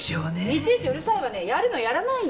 いちいちうるさいわねやるの？やらないの？